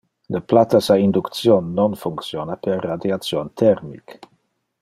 Le plattas a induction non functiona per radiation thermic.